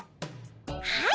はい！